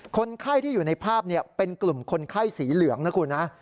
คนไข้ที่อยู่ในภาพเป็นกลุ่มคนไข้สีเหลืองนะคุณนะ